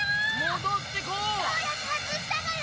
どうやって外したのよ！